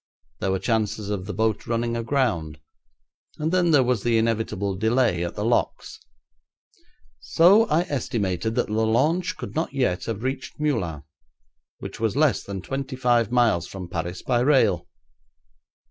There were chances of the boat running aground, and then there was the inevitable delay at the locks. So I estimated that the launch could not yet have reached Meulan, which was less than twenty five miles from Paris by rail.